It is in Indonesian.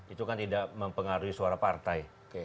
itu kan tidak mempengaruhi suara partai